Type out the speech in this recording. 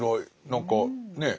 何かねえ